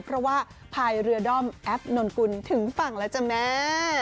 เพราะว่าภายเรือด้อมแอปนนกุลถึงฝั่งแล้วจ้ะแม่